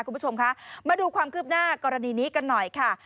คุณผู้ชมคะมาดูความคืบหน้ากรณีนี้กันหน่อยค่ะ